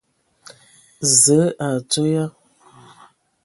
Zǝə, o adzo ya ?